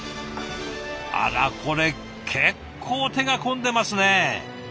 あらこれ結構手が込んでますね。